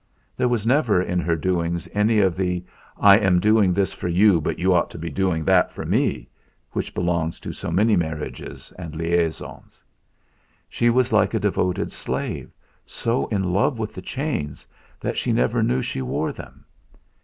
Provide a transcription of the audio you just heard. There was never in her doings any of the "I am doing this for you, but you ought to be doing that for me" which belongs to so many marriages, and liaisons. She was like a devoted slave, so in love with the chains that she never knew she wore them.